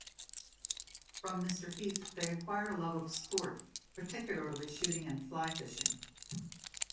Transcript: From Mr. Heath they acquired a love of sport, particularly shooting and fly-fishing.